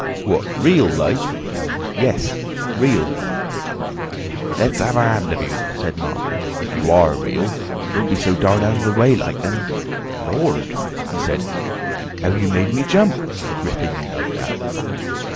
"What, real like?" "Yes, real." "Let's have a hand of you," said Marvel, "if you are real. It won't be so darn out of the way like, then—Lord!" he said, "how you made me jump!—gripping me like that!"